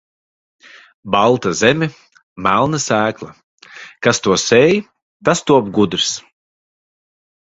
Balta zeme, melna sēkla, kas to sēj, tas top gudrs.